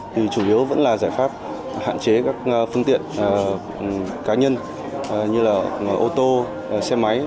thì chủ yếu vẫn là giải pháp hạn chế các phương tiện cá nhân như là ô tô xe máy